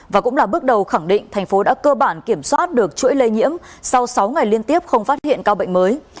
và cũng là bước đầu khẳng định thành phố đã cơ bản kiểm soát được chuỗi lây nhiễm sau sáu ngày liên tiếp không phát hiện ca bệnh mới